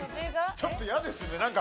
ちょっと嫌ですね。